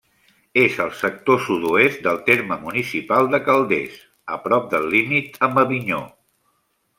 És al sector sud-oest del terme municipal de Calders, a prop del límit amb Avinyó.